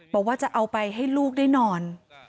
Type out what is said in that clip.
บอกว่าจะเอาไปให้ลูกได้นอน